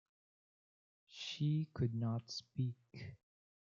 She could not speak.